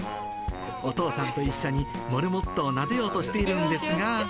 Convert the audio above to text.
お父さんと一緒に、モルモットをなでようとしているんですが。